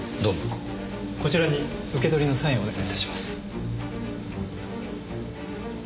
こちらに受け取りのサインをお願いいたします。